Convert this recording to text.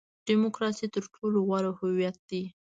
ډیموکراسي تر ټولو غوره هویت دی.